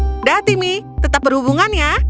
sudah timmy tetap berhubungan ya